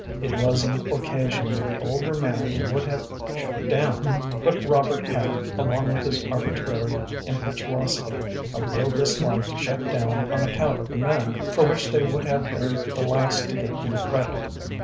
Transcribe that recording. It was an occasion when the older man would have shut down, but Robert had, along with his arbitrary impetuosity, a real dislike to shut down on account of the men, for which they would have been the last to give him credit.